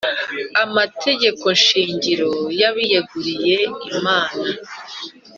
Amategekoshingiro y abiyeguriye Imana